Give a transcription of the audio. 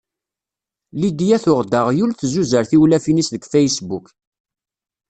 Lidya tuɣ-d aɣyul tzuzer tiwlafin-is deg facebook.